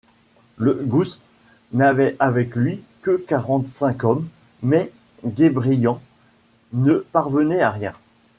Le Goust n'avait avec lui que quarante-cinq hommes, mais Guébriant ne parvenait à rien.